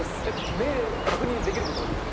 目確認できることができる。